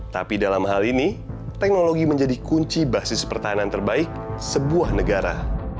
tapi dalam hal ini teknologi menjadi kunci basis pertahanan terbaik sebuah negara